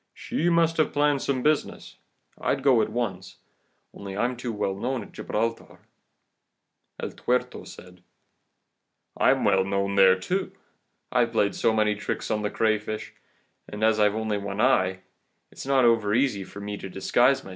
She must have planned some business. I'd go at once, only I'm too well known at Gibraltar.' El Tuerto said: "'I'm well known there too. I've played so many tricks on the crayfish* and as I've only one eye, it is not overeasy for me to disguise myself.